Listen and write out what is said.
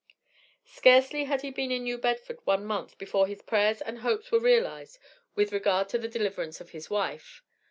Scarcely had he been in New Bedford one month, before his prayers and hopes were realized with regard to the deliverance of his wife.